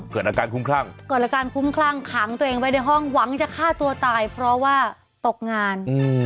เกิดอาการคุ้มขล้างหางตัวเองไปในห้องหวังจะฆ่าตัวตายเพราะว่าตกงาน